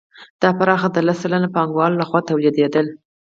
دا برخه د لس سلنه پانګوالو لخوا تولیدېدله